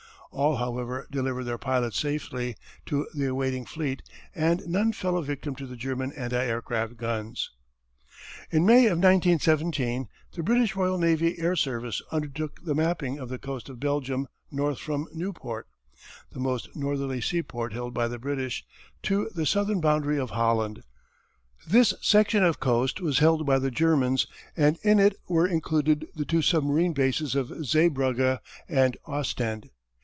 All however delivered their pilots safely to the awaiting fleet and none fell a victim to the German anti aircraft guns. In May of 1917, the British Royal Naval Air Service undertook the mapping of the coast of Belgium north from Nieuport, the most northerly seaport held by the British, to the southern boundary of Holland. This section of coast was held by the Germans and in it were included the two submarine bases of Zeebrugge and Ostend.